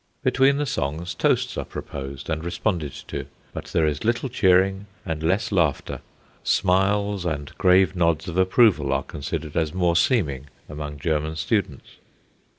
Between the songs, toasts are proposed and responded to; but there is little cheering, and less laughter. Smiles and grave nods of approval are considered as more seeming among German students.